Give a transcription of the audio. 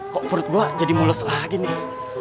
kok perut gue jadi mulus lagi nih